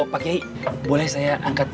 pak kiai boleh saya angkat